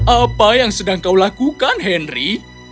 apa yang sedang kau lakukan henry